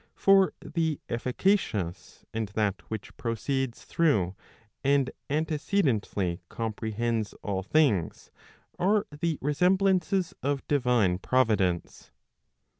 For the efficacious, and that which proceeds through and antecedently compre¬ hends all things, are the resemblances of divine providence.